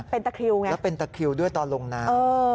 เป็นตะคริวไงแล้วเป็นตะคริวด้วยตอนลงน้ำ